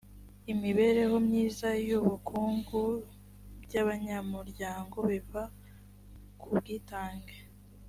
imibereho myiza n’ubukungu by abanyamuryango biva ku bwitage